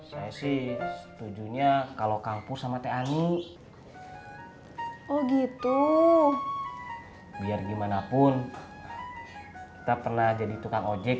saya sih setujunya kalau kampung sama teh ani oh gitu biar gimana pun kita pernah jadi tukang ojek